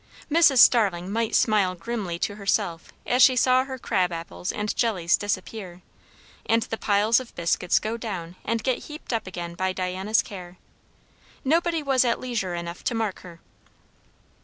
Mrs. Starling might smile grimly to herself as she saw her crab apples and jellies disappear, and the piles of biscuits go down and get heaped up again by Diana's care. Nobody was at leisure enough to mark her.